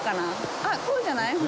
あっ、こうじゃない？